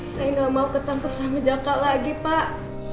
saya gak mau ketang terusah sama daka lagi pak